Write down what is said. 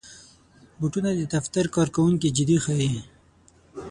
بوټونه د دفتر کارکوونکي جدي ښيي.